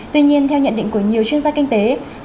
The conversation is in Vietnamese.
tuy nhiên theo nhận định của nhiều chuyên gia kinh tế